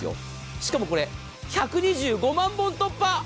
しかもこれ、１２５万本突破。